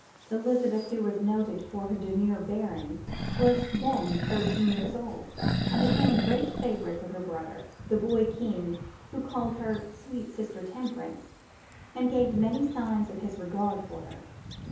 Elizabeth, who was noted for her demure bearing, was then thirteen years old and became a great favorite with her brother, the boy king, who called her "sweet sister Temperance," and gave many signs of his regard for her.